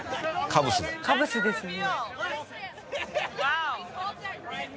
カブスですね。